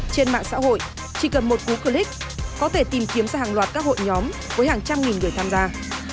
trên mạng xã hội chỉ cần một cú click có thể tìm kiếm ra hàng loạt các hội nhóm với hàng trăm nghìn người tham gia